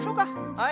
はい！